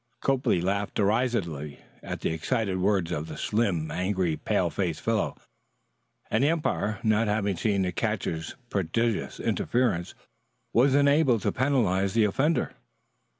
Copley laughed derisively at the excited words of the slim, angry, pale faced fellow; and the umpire, not having seen the catcher's prestigious interference, was unable to penalize the offender.